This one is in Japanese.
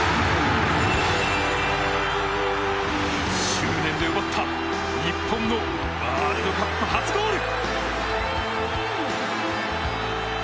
執念で奪った日本のワールドカップ初ゴール！